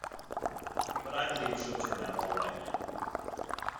But I believe she’ll turn out all right yet.